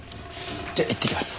じゃあいってきます。